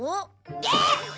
ゲッ！